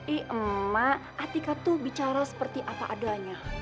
eh emak atika tuh bicara seperti apa adanya